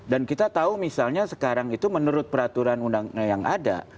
dan kita tahu misalnya sekarang itu menurut peraturan undang undang yang ada